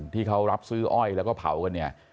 ที่เขารับซื้ออ้อยแล้วก็เผากันเนี่ย